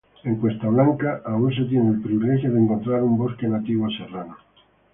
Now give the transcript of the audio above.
En Cuesta Blanca todavía se tiene el privilegio de encontrar un bosque nativo serrano.